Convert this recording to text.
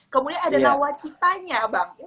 kemudian ada nawacitanya bang